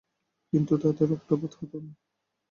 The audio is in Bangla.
কিন্তু তাতে রক্তপাত হতো না।